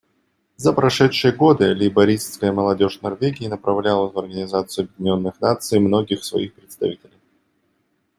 За прошедшие годы лейбористская молодежь Норвегии направляла в Организацию Объединенных Наций многих своих представителей.